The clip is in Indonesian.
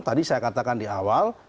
tadi saya katakan di awal